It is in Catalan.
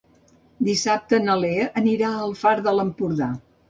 Dissabte na Lea anirà al Far d'Empordà.